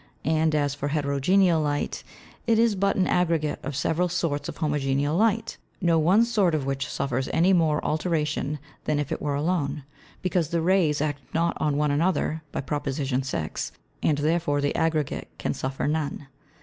And as for Heterogeneal Light, it is but an Aggregate of several sorts of Homogeneal Light, no one sort of which suffers any more alteration than if it were alone; because the Rays act not on one another, by Prop. 6. and therefore the Aggregate can suffer none.